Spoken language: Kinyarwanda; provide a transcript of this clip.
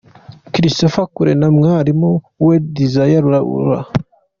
Christopher Kule na mwarimu we Dasiel Raul.